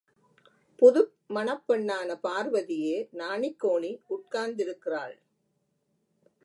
புது மணப் பெண்ணான பார்வதியே நாணிக்கோணி உட்கார்ந்திருக்கிறாள்.